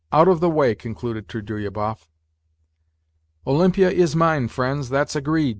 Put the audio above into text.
Out of the way !" concluded Trudolyubov. " Olympia is mine, friends, that's agreed